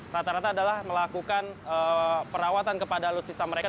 rata rata adalah melakukan perawatan kepada alutsista mereka